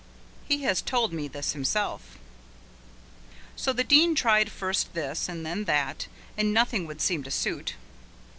He has told me this himself. So the Dean tried first this and then that and nothing would seem to suit.